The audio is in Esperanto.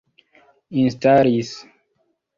instalis